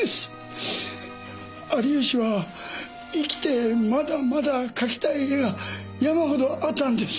有吉は生きてまだまだ描きたい絵が山ほどあったんです。